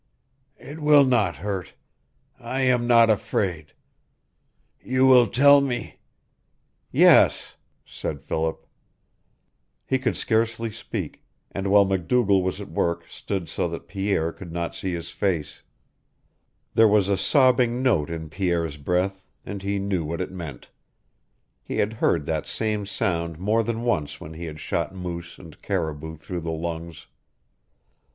It will not hurt. I am not afraid. You will tell me " "Yes," said Philip. He could scarcely speak, and while MacDougall was at work stood so that Pierre could not see his face. There was a sobbing note in Pierre's breath, and he knew what it meant. He had heard that same sound more than once when he had shot moose and caribou through the lungs.